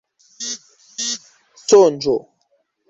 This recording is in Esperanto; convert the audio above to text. sonĝo